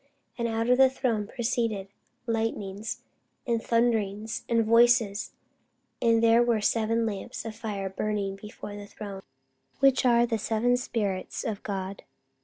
And out of the throne proceeded lightnings and thunderings and voices: and there were seven lamps of fire burning before the throne, which are the seven Spirits of God.